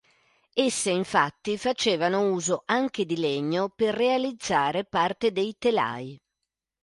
Esse, infatti, facevano uso anche di legno per realizzare parte dei telai.